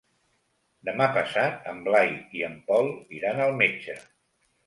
Demà passat en Blai i en Pol iran al metge.